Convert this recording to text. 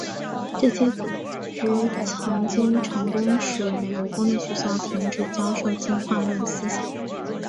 这些组织曾经成功地使美国公立学校停止教授进化论思想。